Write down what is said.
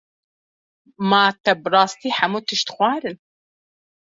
Ma te bi rastî hemû tişt xwarin.